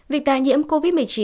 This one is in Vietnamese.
việc tái nhiễm covid một mươi chín